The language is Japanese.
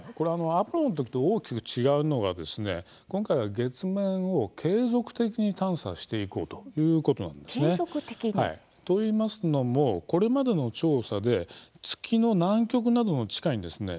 アポロの時と大きく違うのがですね、今回は月面を継続的に探査していこうということなんですね。といいますのもこれまでの調査で月の南極などの地下にですね